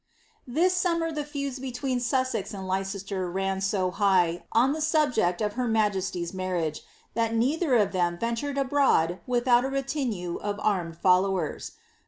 This summer the feuds between Sussex and Leicester ran so high, on the subject of her majesty's marriage, that neither of them ventured ibroad without a retinue of armed followers.